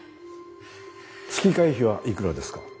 月会費はいくらですか？